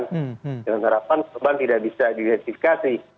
dengan harapan korban tidak bisa diidentifikasi